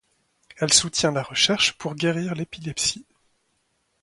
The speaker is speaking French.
Elle soutient la recherche pour guérir l'épilepsie.